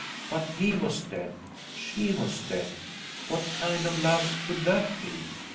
But he was dead she was dead! What kind of love could that be?